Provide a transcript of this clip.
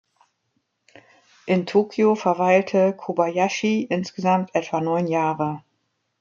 In Tokio verweilte Kobayashi insgesamt etwa neun Jahre.